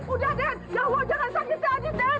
udah dad ya allah jangan sakit ya adit